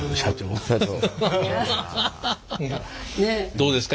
どうですか？